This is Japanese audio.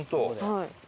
はい。